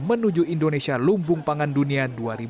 menuju indonesia lumbung pangan dunia dua ribu dua puluh